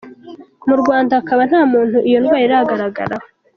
Mu Rwanda hakaba nta muntu iyo ndwara iragaragaraho.